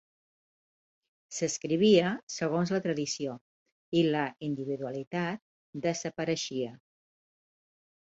S'escrivia segons la tradició i la individualitat desapareixia.